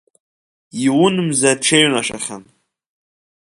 Иун мза аҽеиҩнашахьан.